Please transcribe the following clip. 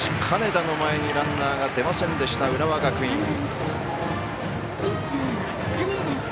金田の前にランナーが出ませんでした、浦和学院。